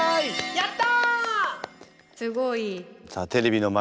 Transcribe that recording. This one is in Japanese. やった！